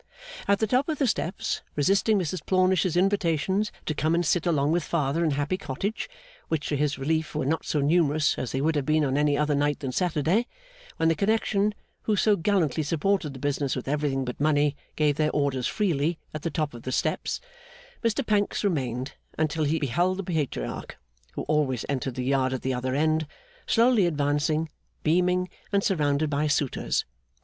At the top of the steps, resisting Mrs Plornish's invitations to come and sit along with father in Happy Cottage which to his relief were not so numerous as they would have been on any other night than Saturday, when the connection who so gallantly supported the business with everything but money gave their orders freely at the top of the steps Mr Pancks remained until he beheld the Patriarch, who always entered the Yard at the other end, slowly advancing, beaming, and surrounded by suitors.